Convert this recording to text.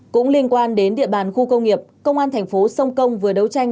cũng liên quan đến địa bàn khu công nghiệp công an thành phố sông công vừa đấu tranh